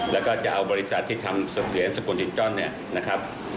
แล้วก็จะเอาบริษัทที่ทำเหรียญสกุลดิจิตอล